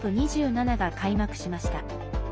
ＣＯＰ２７が開幕しました。